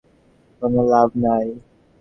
এদেশ হতে শীঘ্র দেশে যাওয়ায় কোন লাভ নাই।